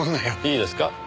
いいですか？